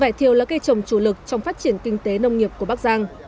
vải thiều là cây trồng chủ lực trong phát triển kinh tế nông nghiệp của bắc giang